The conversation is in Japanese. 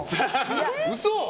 嘘？